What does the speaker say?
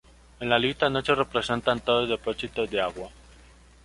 En la lista no se representan todos depósitos de agua.